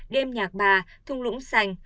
đêm nhạc ba thung lũng xanh